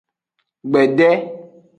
Gbede.